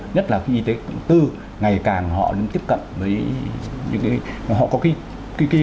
nhất là khi y tế tư ngày càng họ tiếp cận với những cái